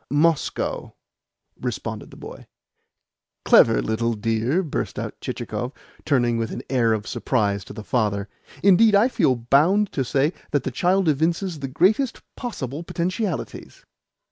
"Moscow," responded the boy. "Clever little dear!" burst out Chichikov, turning with an air of surprise to the father. "Indeed, I feel bound to say that the child evinces the greatest possible potentialities."